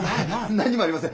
何にもありません。